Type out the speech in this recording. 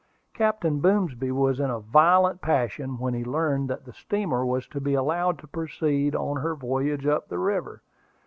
Captain Boomsby was in a violent passion when he learned that the steamer was to be allowed to proceed on her voyage up the river.